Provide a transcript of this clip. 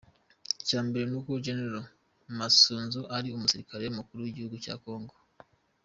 Icyambere nuko General Masunzu ari umusirikare mukuru w’igihugu cya Kongo.